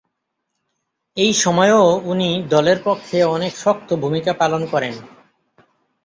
এই সময়ও উনি দলের পক্ষে অনেক শক্ত ভুমিকা পালন করেন।